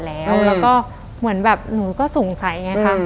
แล้วก็เหมือนแบบหนูก็สงสัยไงค่ะ